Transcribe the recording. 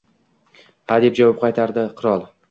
Ha, — deb javob qaytardi qirol.